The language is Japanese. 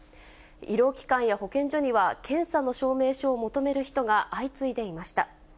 医療機関や保健所には、検査の証明書を求める人が相次いでいました。